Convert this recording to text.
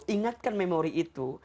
ingatkan memori itu